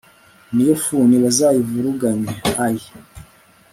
niyo funi Bazayivuruganye ay